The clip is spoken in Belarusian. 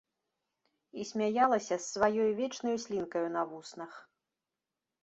І смяялася з сваёю вечнаю слінкаю на вуснах.